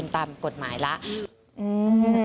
ตามกฎหมายแล้ว